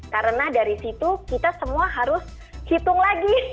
karena dari situ kita semua harus hitung lagi